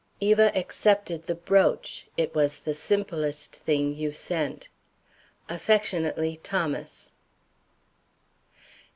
Eva accepted the brooch. It was the simplest thing you sent. Aff., THOMAS.